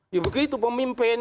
ya begitu pemimpin